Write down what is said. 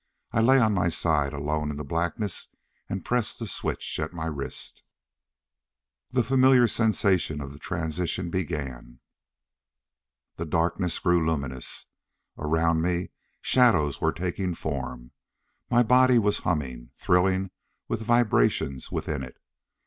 I lay on my side, alone in the blackness, and pressed the switch at my wrist.... The familiar sensation of the transition began. The darkness grew luminous. Around me shadows were taking form. My body was humming, thrilling with the vibrations within it.